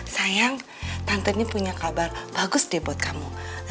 sayang tante ini punya kabar bagus deh buat kamu